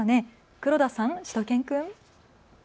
黒田さん、しゅと犬くん。